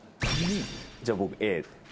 じゃあ僕Ａ。